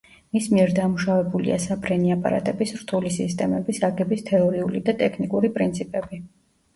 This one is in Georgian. მის მიერ დამუშავებულია საფრენი აპარატების რთული სისტემების აგების თეორიული და ტექნიკური პრინციპები.